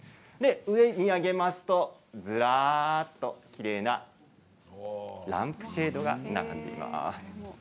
上を見上げますとずらっときれいなランプシェードが並んでいます。